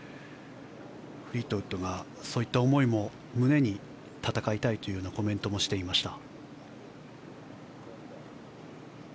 フリートウッドがそういった思いも胸に戦いたいというようなコメントもしていました。